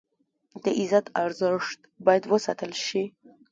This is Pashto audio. د عزت ارزښت باید وساتل شي.